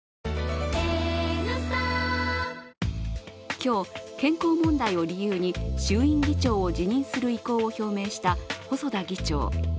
今日、健康問題を理由に衆院議長を辞任する意向を表明した細田議長。